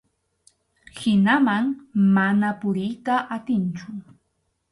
Hinaman mana puriyta atinchu.